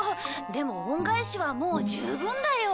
でも恩返しはもう十分だよ。